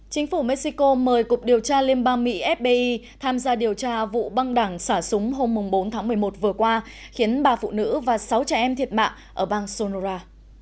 chính phủ mexico mời cục điều tra liên bang mỹ fbi tham gia điều tra vụ băng đẳng xả súng hôm bốn tháng một mươi một vừa qua khiến ba phụ nữ và sáu trẻ em thiệt mạng ở bang sonora